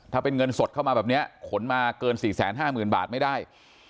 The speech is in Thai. ถ้าเป็นเงินสดเข้ามาแบบเนี้ยขนมาเกินสี่แสนห้าหมื่นบาทไม่ได้